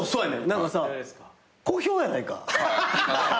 何かさ小兵やないか。